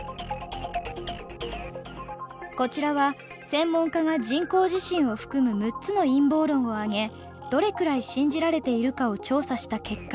こちらは専門家が人工地震を含む６つの陰謀論を挙げどれくらい信じられているかを調査した結果。